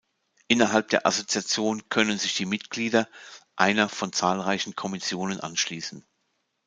Innerhalb der Assoziation können sich die Mitglieder einer von zahlreichen Kommissionen anschließen.